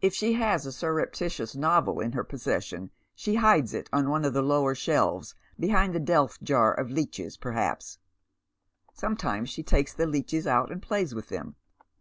If she has a surreptili;v.3 uuvd ii: her 144 jDmd Men's SfioH. possession she hides it on one of the lower shelves, behind thfi delf jar of leeches, perhaps. Sometimes she takes the leeches out and plays with them.